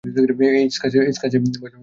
এই স্কচের বয়স বারো বছর!